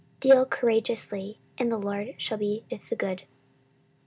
Deal courageously, and the LORD shall be with the good.